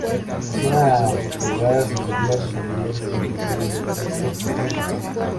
Es una cualidad sensorial, desarrollar la sensibilidad del tacto, oído y olfato.